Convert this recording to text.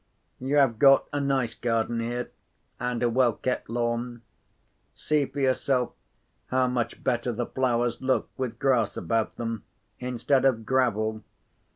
You have got a nice garden here, and a well kept lawn. See for yourself how much better the flowers look with grass about them instead of gravel.